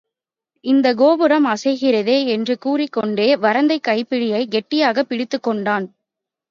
இந்தக் கோபுரம் அசைகிறதே! என்று கூறிக்கொண்டே, வரந்தைக் கைப்பிடியைக் கெட்டியாகப் பிடித்துக் கொண்டான்.